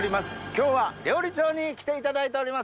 今日は料理長に来ていただいております。